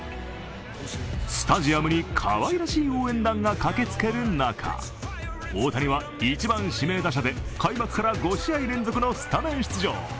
スタジアムにかわいらしい応援団が駆けつける中大谷は１番・指名打者で開幕から５試合連続のスタメン出場。